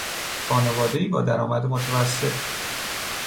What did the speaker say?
خانوادهای با درآمد متوسط